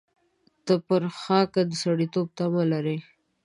ته پر خاکه د سړېتوب تمه لرې.